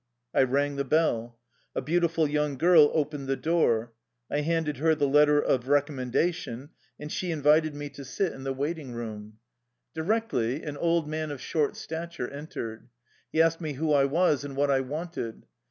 I rang the bell. A beautiful young girl opened the door. I handed her the letter of recommendation, and she invited me to sit in the 110 THE LIFE STORY OF A RUSSIAN EXILE waiting room. Directly an old man of short stature entered. He asked me who I was and what I wanted.